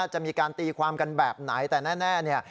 จะมีการตีความกันแบบไหนแต่แน่เนี่ย